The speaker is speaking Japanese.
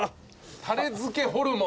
たれ漬けホルモン。